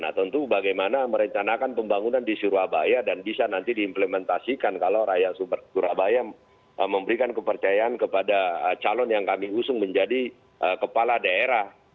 nah tentu bagaimana merencanakan pembangunan di surabaya dan bisa nanti diimplementasikan kalau rakyat surabaya memberikan kepercayaan kepada calon yang kami usung menjadi kepala daerah